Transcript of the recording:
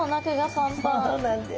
そうなんです。